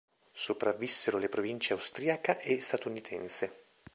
Sopravvissero le province austriaca e statunitense.